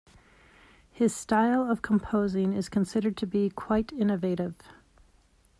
His style of composing is considered to be quite innovative.